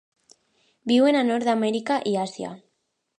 Viuen a Nord-amèrica i Àsia.